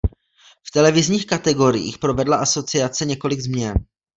V televizních kategoriích provedla Asociace několik změn.